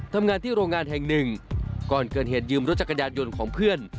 ทำงานที่โรงงานแห่งหนึ่งก่อนเกิดเหตุยืมรถจักรยานยนต์ของเพื่อน